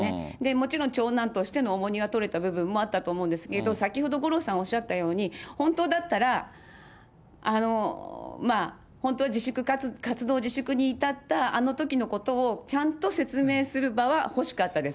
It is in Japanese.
もちろん長男としての重荷が取れた部分もあったと思うんですけど、先ほど五郎さんおっしゃったように、本当だったら、本当は自粛活動、活動自粛に至ったあのときのことを、ちゃんと説明する場は欲しかったです。